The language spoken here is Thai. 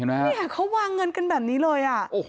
นี่เขาวางเงินกันแบบนี้เลย